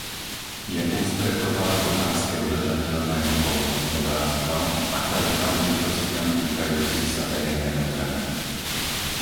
Je ústretová k otázke udržateľného poľnohospodárstva, ako aj k záležitostiam týkajúcich sa verejného zdravia.